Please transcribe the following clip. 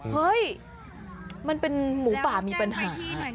เฮ้ยมันเป็นหมูป่ามีปัญหา